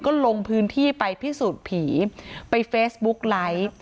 ก็ลงพื้นที่ไปพิสูจน์ผีไปเฟซบุ๊กไลฟ์